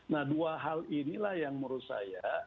nah dua hal inilah yang menurut saya